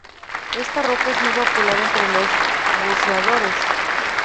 Esta roca es muy popular entre los buceadores.